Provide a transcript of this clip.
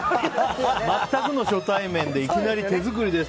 全くの初対面でいきなり手作りです！